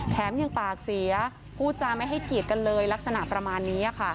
แถมยังปากเสียพูดจาไม่ให้เกียรติกันเลยลักษณะประมาณนี้ค่ะ